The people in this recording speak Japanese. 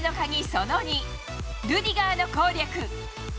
その２、ルディガーの攻略。